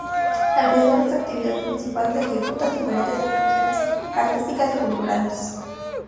Alrededor de esta actividad principal se ejecutan diferentes expresiones artísticas y culturales.